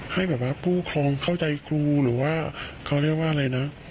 ให้แบบว่าผู้ครองเข้าใจครูหรือว่าเขาเรียกว่าอะไรนะ